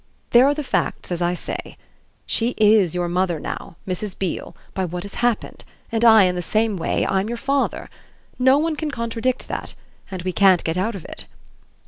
There are the facts as I say. She IS your mother now, Mrs. Beale, by what has happened, and I, in the same way, I'm your father. No one can contradict that, and we can't get out of it.